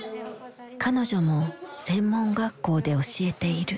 彼女も専門学校で教えている。